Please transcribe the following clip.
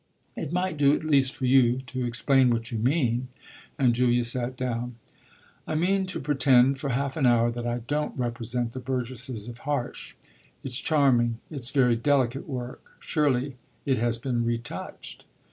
"It might do at least for you to explain what you mean." And Julia sat down. "I mean to pretend for half an hour that I don't represent the burgesses of Harsh. It's charming it's very delicate work. Surely it has been retouched."